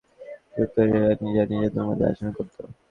কিবতীরা এ নিয়ে নিজেদের মধ্যে আলোচনা করত।